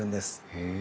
へえ。